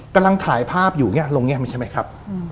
กำลังถ่ายภาพอยู่ลงนี้มันใช่ไหมครับ